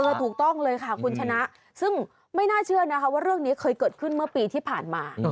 ถูกต้องเลยค่ะคุณชนะซึ่งไม่น่าเชื่อนะคะว่าเรื่องนี้เคยเกิดขึ้นเมื่อปีที่ผ่านมา